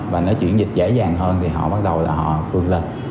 và nó chuyển dịch dễ dàng hơn thì họ bắt đầu là họ vượt lên